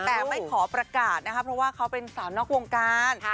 แต่ไม่ขอประกาศนะคะเพราะว่าเขาเป็นสาวนอกวงการ